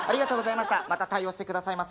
また対応して下さいませ！